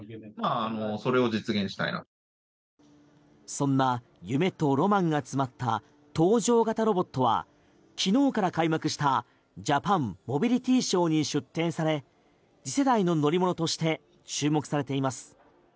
そんな夢とロマンが詰まった搭乗型ロボットは昨日から開幕したジャパンモビリティショーに出展され次世代の乗り物として注目されています。